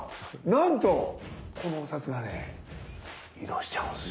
なんとこのお札がね移動しちゃうんすよ。